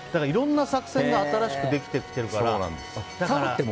いろんな作戦が新しくできてきてるから。